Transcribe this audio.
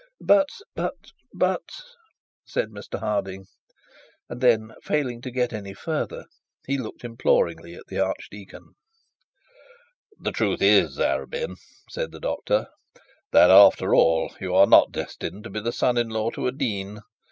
But! But ' said Mr Harding; and then failing to get any further, he looked imploringly at the archdeacon. 'The truth is, Arabin,' said the doctor, 'that, after all you are not destined to be the son in law to a dean.